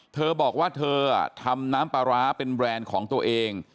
เธอบอกว่าเธอทำน้ำปลาร้าเป็นแบรนด์ของตัวเอง